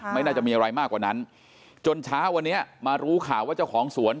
ไม่น่าจะมีอะไรมากกว่านั้นจนเช้าวันนี้มารู้ข่าวว่าเจ้าของสวน